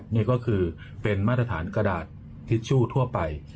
นี่ก็คือเป็นมาตรฐานกระดาษทิชชู่ทั่วไป